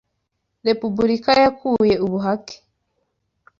Republika yakuye ubuhake